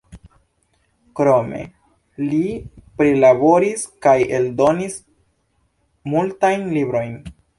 Krome li prilaboris kaj eldonis multajn librojn.